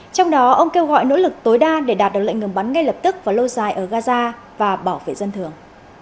trong đó ông kêu gọi nỗ lực tối đa để đạt được lệnh ngừng bắn ngay lập tức và lâu dài ở gaza và bảo vệ dân thường